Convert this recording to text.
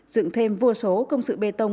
dựng thêm vô số công sự bê tông